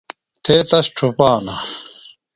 تھے تس ڇُھپانہ.